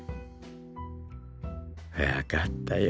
分かったよ。